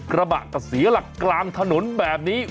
กระบะก็เสียหลักกลางถนนแบบนี้